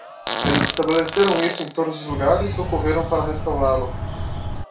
Eles estabeleceram isso em todos os lugares, ou correram para restaurá-lo.